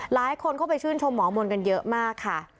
หลายคนเข้าไปชื่นชมหมอมนต์กันเยอะมากค่ะ